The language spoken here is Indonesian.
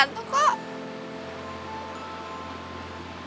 lagi gak antum kok